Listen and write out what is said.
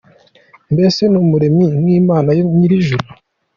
Mbese ni Umuremyi nk’Imana nyirijuru !